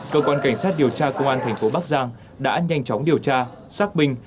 cơ quan cảnh sát điều tra công an tp bắc giang đã nhanh chóng điều tra xác bình